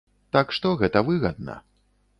Так што гэта выгадна.